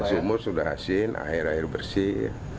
sumur sudah asin air air bersih